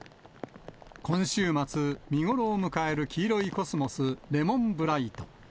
今週末、見頃を迎える黄色いコスモス、レモンブライト。